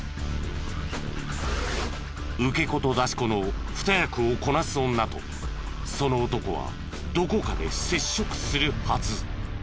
受け子と出し子の二役をこなす女とその男はどこかで接触するはず。